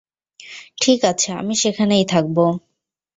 ঠিক আছে, আমি সেখানেই থাকব।